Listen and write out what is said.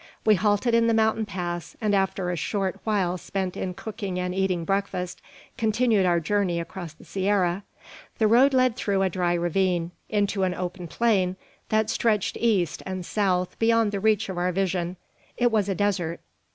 We halted in the mountain pass; and, after a short while spent in cooking and eating breakfast, continued our journey across the sierra. The road led through a dry ravine, into an open plain that stretched east and south beyond the reach of our vision. It was a desert.